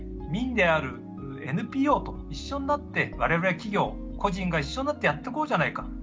民であるＮＰＯと一緒になって我々や企業個人が一緒になってやってこうじゃないか。